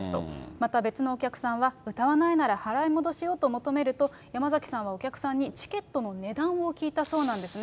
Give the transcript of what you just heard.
また別のお客さんは歌わないなら払い戻しをと求めると山崎さんはお客さんにチケットの値段を聞いたそうなんですね。